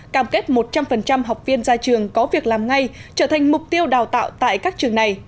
cam kết một trăm linh học viên ra trường có việc làm ngay trở thành mục tiêu đào tạo tại các trường này